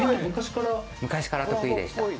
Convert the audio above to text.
昔から得意でした。